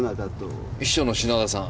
秘書の品田さん。